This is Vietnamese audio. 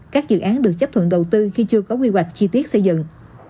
các dự án được chấp thuận đầu tư khi chưa có quy hoạch chi tiết xây dựng